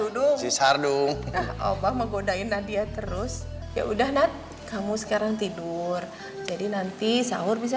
dudung si sardung obang menggodain nadia terus ya udah nad kamu sekarang tidur jadi nanti sahur bisa